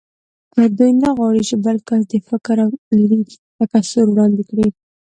دوی نه غواړ چې بل کس د فکر او لید تکثر وړاندې کړي